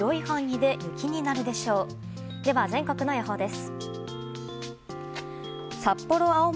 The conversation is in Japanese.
では全国の予報です。